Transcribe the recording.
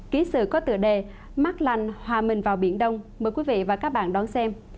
ký sự có tựa đề mát lành hòa mình vào biển đông mời quý vị và các bạn đón xem